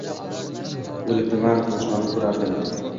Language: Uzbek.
O`lib nima ro`shnolik ko`rardim